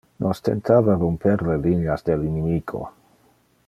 Nos tentava rumper le lineas del inimico.